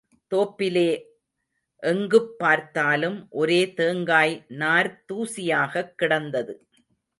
தோப்பிலே எங்குப் பார்த்தாலும் ஒரே தேங்காய் நார்த் தூசியாகக் கிடந்தது.